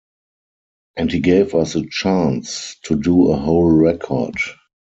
And he gave us a chance to do a whole record.